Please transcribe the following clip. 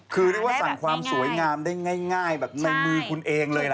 คือเรียกว่าสั่งความสวยงามได้ง่ายแบบในมือคุณเองเลยนะ